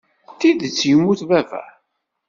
D tidet yemmut baba?